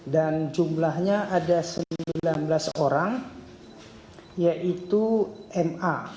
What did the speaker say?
dan jumlahnya ada sembilan belas orang yaitu ma